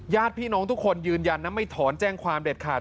ญาติพี่น้องทุกคนยืนยันนะไม่ถอนแจ้งความเด็ดขาด